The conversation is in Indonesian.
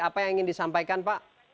apa yang ingin disampaikan pak